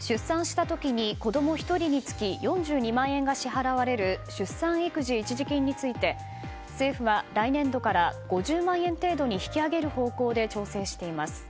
出産した時に子供１人につき４２万円が支払われる出産育児一時金について政府は来年度から５０万円程度に引き上げる方向で調整しています。